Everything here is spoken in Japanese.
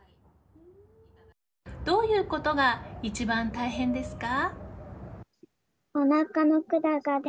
どういうことが一番大変ですか？